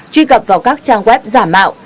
truy cập vào các trang web giả mạo